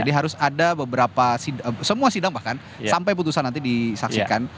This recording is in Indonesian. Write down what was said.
jadi harus ada beberapa semua sidang bahkan sampai putusan nanti disaksikan